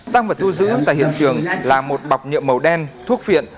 tăng vật thu giữ tại hiện trường là một bọc nhựa màu đen thuốc phiện